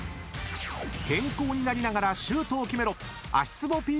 ［健康になりながらシュートを決めろ！］